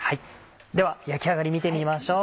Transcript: では焼き上がり見てみましょう。